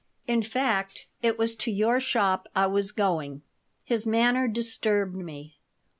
In fact, it was to your shop I was going." His manner disturbed me.